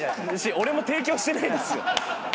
俺も提供してないですよ。